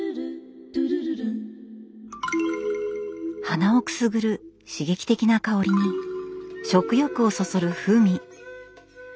鼻をくすぐる刺激的な香りに食欲をそそる風味。